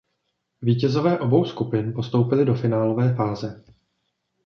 Vítězové obou skupin postoupili do finálové fáze.